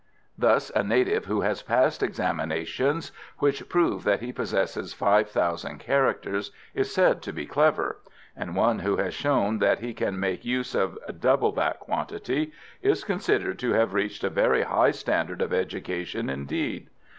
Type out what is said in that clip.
Thus a native who has passed examinations which prove that he possesses five thousand characters, is said to be clever; and one who has shown that he can make use of double that quantity is considered to have reached a very high standard of education indeed.